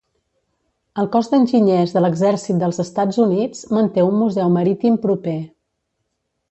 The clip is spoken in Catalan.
El Cos d'Enginyers de l'Exèrcit dels Estats Units manté un museu marítim proper.